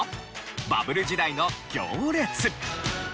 バブル時代の行列。